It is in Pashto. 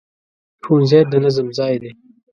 ښوونځی د نظم ځای دی